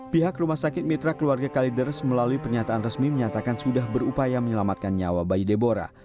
pihak rumah sakit mitra keluarga kaliders melalui pernyataan resmi menyatakan sudah berupaya menyelamatkan nyawa bayi debora